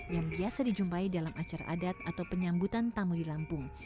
yang biasa dijumpai dalam acara adat atau penyambutan tamu di lampung